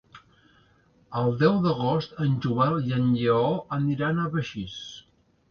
El deu d'agost en Joel i en Lleó aniran a Begís.